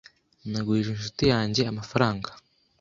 Nagurije inshuti yanjye amafaranga.